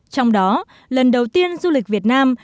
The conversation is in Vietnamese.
trong đó lần đầu tiên du lịch việt nam